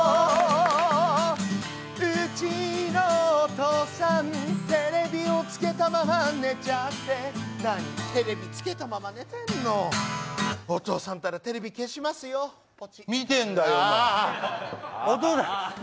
うちのお父さん、テレビをつけたまま寝ちゃって、何、テレビつけたまま寝てんの、お父さんったらテレビ消しますよ、ポチ見てんだよ、お前。